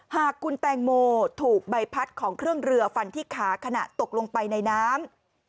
หากคุณแตงโมถูกใบพัดของเครื่องเรือฟันที่ขาขณะตกลงไปในน้ำ